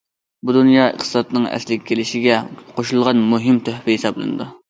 بۇ دۇنيا ئىقتىسادىنىڭ ئەسلىگە كېلىشىگە قوشۇلغان مۇھىم تۆھپە ھېسابلىنىدۇ.